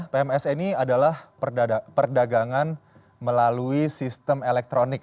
pms ini adalah perdagangan melalui sistem elektronik